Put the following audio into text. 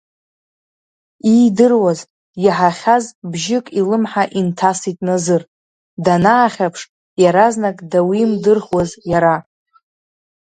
Иидыруаз, иаҳахьаз бжьык илымҳа инҭасит Назыр, данаахьаԥш, иаразнак дауимдырхуаз иара.